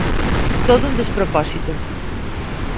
Todo un despropósito.